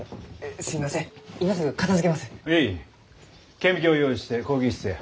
顕微鏡を用意して講義室へ。